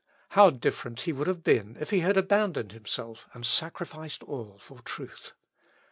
How different he would have been if he had abandoned himself, and sacrificed all for truth!